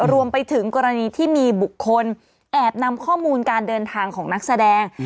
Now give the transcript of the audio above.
รวมไปถึงกรณีที่มีบุคคลแอบนำข้อมูลการเดินทางของนักแสดง